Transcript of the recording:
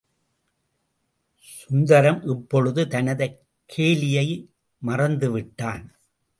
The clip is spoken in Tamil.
சுந்தரம் இப்பொழுது தனது கேலியை மறந்துவிட்டான்.